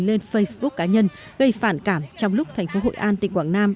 lên facebook cá nhân gây phản cảm trong lúc tp hội an tỉnh quảng nam